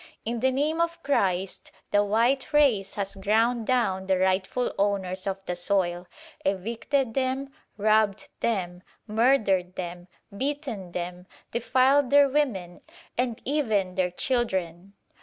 In the name of Christ, the white race has ground down the rightful owners of the soil; evicted them, robbed them, murdered them, beaten them, defiled their women and even their children.